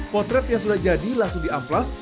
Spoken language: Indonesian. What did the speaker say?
potret yang sudah jadi langsung di amplas